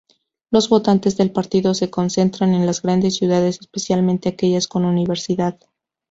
Los votantes del partido se concentran en las grandes ciudades, especialmente aquellas con universidad.